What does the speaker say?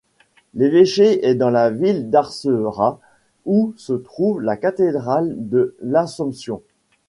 L'évêché est dans la ville d'Acerra où se trouve la cathédrale de l'Assomption.